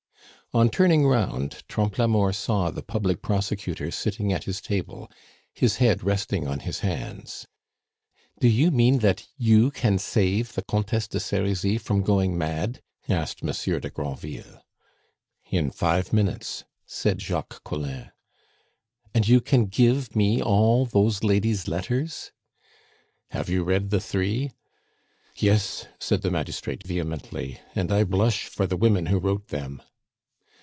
On turning round, Trompe la Mort saw the public prosecutor sitting at his table, his head resting on his hands. "Do you mean that you can save the Comtesse de Serizy from going mad?" asked Monsieur de Granville. "In five minutes," said Jacques Collin. "And you can give me all those ladies' letters?" "Have you read the three?" "Yes," said the magistrate vehemently, "and I blush for the women who wrote them."